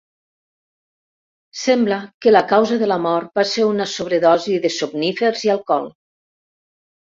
Sembla que la causa de la mort va ser una sobredosi de somnífers i alcohol.